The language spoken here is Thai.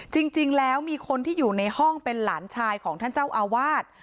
จริงแล้วมีคนที่อยู่ในห้องเป็นหลานชายของท่านเจ้าอาวาส